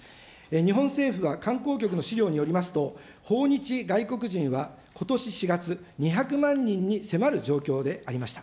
日本政府は観光局の資料によりますと、訪日外国人はことし４月、２００万人に迫る状況でありました。